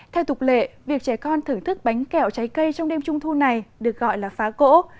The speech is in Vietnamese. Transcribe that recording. theo tục lệ việc trẻ con thưởng thức bánh kẹo trái cây trong đêm trung thu này được gọi là phá cỗ